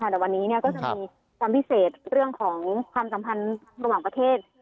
แต่วันนี้ก็จะมีความพิเศษเรื่องของความสัมพันธ์ระหว่างประเทศ